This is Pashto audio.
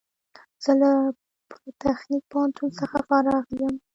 زه له پولیتخنیک پوهنتون څخه فارغ یم